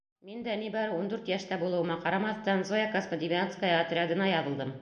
Мин дә, ни бары ун дүрт йәштә булыуыма ҡарамаҫтан, «Зоя Космодемьянская» отряденә яҙылдым.